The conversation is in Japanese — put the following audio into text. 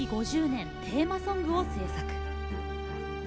５０年テーマソングを制作。